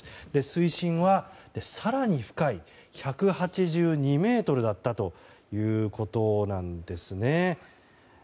水深は更に深い１８２ｍだったということです。